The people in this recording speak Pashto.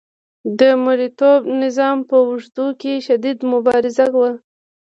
د مرئیتوب نظام په اوږدو کې شدیده مبارزه وه.